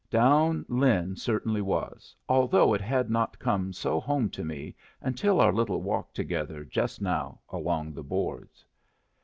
Down Lin certainly was, although it had not come so home to me until our little walk together just now along the boards.